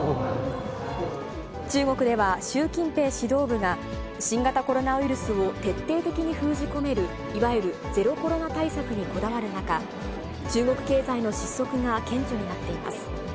中国では、習近平指導部が新型コロナウイルスを徹底的に封じ込める、いわゆるゼロコロナ対策にこだわる中、中国経済の失速が顕著になっています。